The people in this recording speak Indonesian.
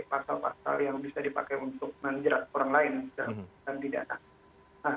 pasal pasal yang bisa dipakai untuk menjerat orang lain dan tidak takut